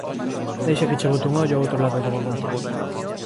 Deixa que che bote un ollo ao outro lado do vagón.